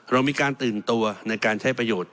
เรามีการตื่นตัวในการใช้ประโยชน์